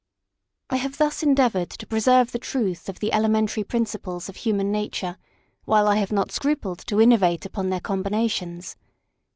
I have thus endeavoured to preserve the truth of the elementary principles of human nature, while I have not scrupled to innovate upon their combinations.